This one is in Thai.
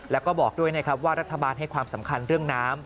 แล้วก็บอกด้วยนะครับว่ารัฐบาลให้ความสำคัญเรื่องน้ำ